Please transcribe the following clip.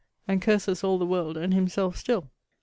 ] and curses all the world and himself still.